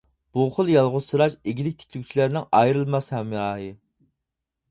بۇ خىل يالغۇزسىراش ئىگىلىك تىكلىگۈچىلەرنىڭ ئايرىلماس ھەمراھى.